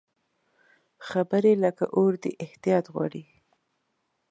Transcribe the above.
خبرې لکه اور دي، احتیاط غواړي